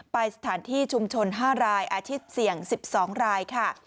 ไปสถานที่ชุมชน๕รายอาชีพเสี่ยง๑๒รายค่ะ